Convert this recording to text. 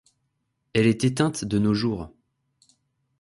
Elle est éteinte de nos jours.